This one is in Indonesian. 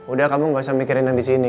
udah kamu gak usah mikirin yang di sini